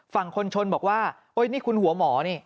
ฝั่งคนชนบอกว่าโอ๊ยนี่คุณหัวหมอนี่